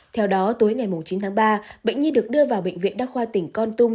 theo đó tối ngày chín tháng ba bệnh nhi được đưa vào bệnh viện đa khoa tỉnh con tum